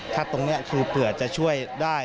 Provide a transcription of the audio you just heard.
ถ้าตรงนี้คือเผื่อจะช่วยได้